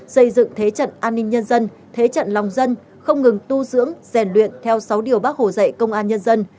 xây dựng thế trận an ninh nhân dân thế trận lòng dân không ngừng tu dưỡng rèn luyện theo sáu điều bác hồ dạy công an nhân dân